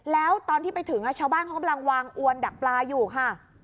แล้วตอนที่ไปถึงชาวบ้านเขากำลังวางอวนดักปลาอยู่ค่ะ